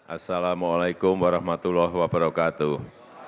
assalamu'alaikum warahmatullahi wabarakatuh